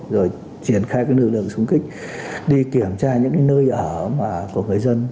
rồi triển khai cái lực lượng súng kích đi kiểm tra những cái nơi ở mà có người dân